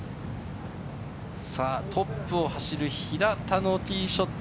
トップを走る平田のティーショット。